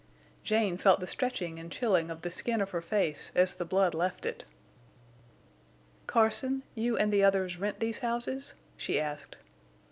Jane felt the stretching and chilling of the skin of her face as the blood left it. "Carson, you and the others rent these houses?" she asked.